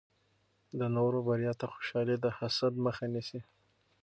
د نورو بریا ته خوشحالي د حسد مخه نیسي.